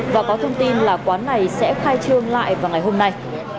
và có thông tin là quán này sẽ khai trương lại vào ngày hôm nay